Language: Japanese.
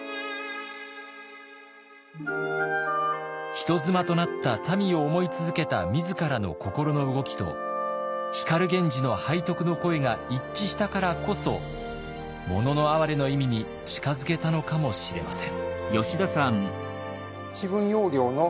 人妻となったたみを思い続けた自らの心の動きと光源氏の背徳の恋が一致したからこそ「もののあはれ」の意味に近づけたのかもしれません。